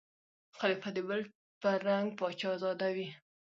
خلیفه د بل په رنګ پاچا زاده وي